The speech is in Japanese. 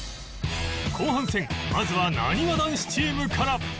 後半戦まずはなにわ男子チームから